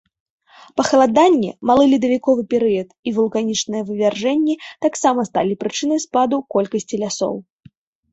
Пахаладанне, малы ледавіковы перыяд і вулканічныя вывяржэнні таксама сталі прычынай спаду колькасці лясоў.